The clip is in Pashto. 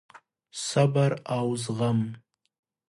صبر او زغم: